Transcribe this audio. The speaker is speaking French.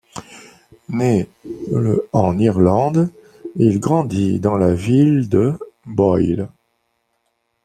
Né le en Irlande, il grandit dans la ville de Boyle.